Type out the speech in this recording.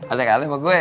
ada yang alemah gue